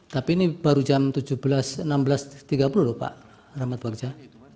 tapi ini baru jam tujuh belas tiga puluh pak rahmat warja